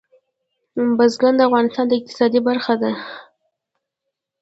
بزګان د افغانستان د اقتصاد برخه ده.